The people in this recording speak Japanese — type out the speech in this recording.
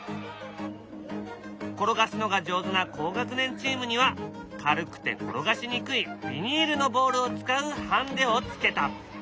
転がすのが上手な高学年チームには軽くて転がしにくいビニールのボールを使うハンデをつけた。